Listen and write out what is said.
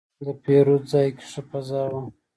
د پیرود ځای کې ښه فضا وه.